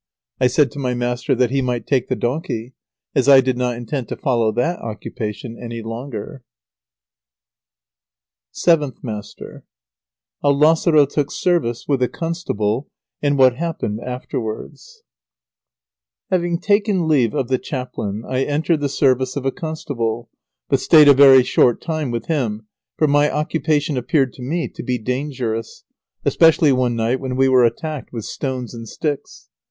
I said to my master that he might take the donkey, as I did not intend to follow that occupation any longer. SEVENTH MASTER HOW LAZARO TOOK SERVICE WITH A CONSTABLE AND WHAT HAPPENED AFTERWARDS Having taken leave of the chaplain, I entered the service of a constable, but stayed a very short time with him, for my occupation appeared to me to be dangerous, especially one night when we were attacked with stones and sticks.